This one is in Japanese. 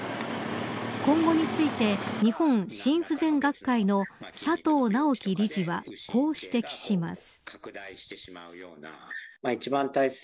今後について、日本心不全学会の佐藤直樹理事はこう指摘します。